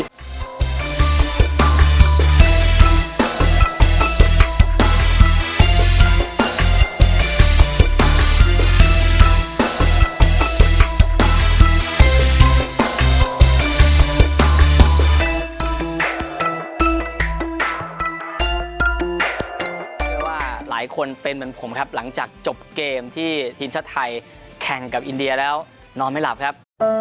เพราะว่าหลายคนเป็นเหมือนผมครับหลังจากจบเกมที่ทีมชาติไทยแข่งกับอินเดียแล้วนอนไม่หลับครับ